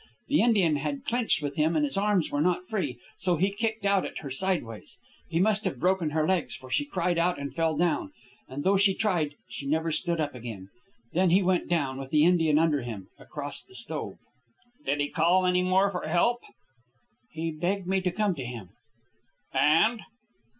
The Indian had clinched with him, and his arms were not free; so he kicked out at her sideways. He must have broken her legs, for she cried out and fell down, and though she tried, she never stood up again. Then he went down, with the Indian under him, across the stove." "Did he call any more for help?" "He begged me to come to him." "And?"